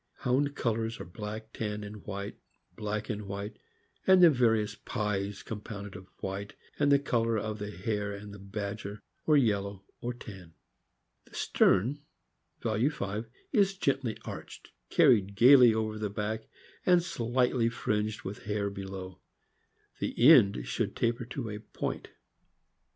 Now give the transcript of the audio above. Hound colors are black, tan and white, black and white, and the various "pies" compounded of white and the color of the hare and badger, or yellow, or tan. The stern (value 5) is gently arched, carried gaily over 202 THE AMERICAN BOOK OF THE DOG. the back, and slightly fringed with hair below. The end should taper to a point.